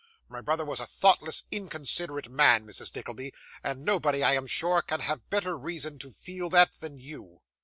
My brother was a thoughtless, inconsiderate man, Mrs. Nickleby, and nobody, I am sure, can have better reason to feel that, than you.